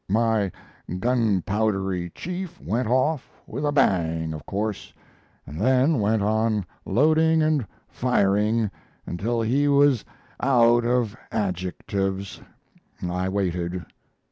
My gun powdery chief went off with a bang, of course, and then went on loading and firing until he was out of adjectives.... I waited.